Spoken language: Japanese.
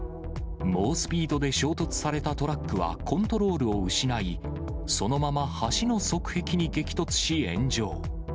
猛スピードで衝突されたトラックは、コントロールを失い、そのまま橋の側壁に激突し、炎上。